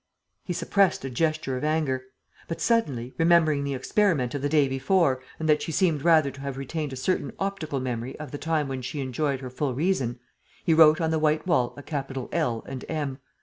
..." He suppressed a gesture of anger. But, suddenly, remembering the experiment of the day before and that she seemed rather to have retained a certain optical memory of the time when she enjoyed her full reason, he wrote on the white wall a capital "L" and "M."